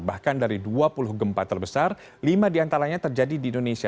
bahkan dari dua puluh gempa terbesar lima diantaranya terjadi di indonesia